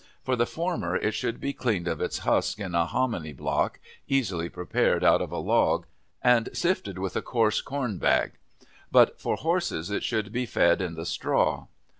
For the former it should be cleaned of its husk in a hominy block, easily prepared out of a log, and sifted with a coarse corn bag; but for horses it should be fed in the straw.